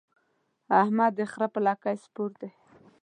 احمد د خره پر لکۍ سپور دی.